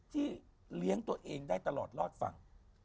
เลี้ยงตัวเองได้ตลอดรอดฝั่ง